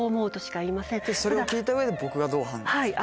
それを聞いた上で僕がどう判断するか。